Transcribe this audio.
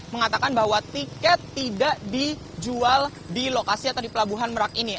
mengatakan bahwa tiket tidak dijual di lokasi atau di pelabuhan merak ini